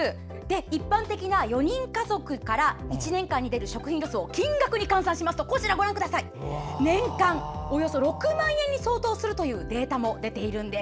一般的な４人家族から１年間に出る食品ロスを金額に換算しますと年間６万円に相当するというデータも出ているんです。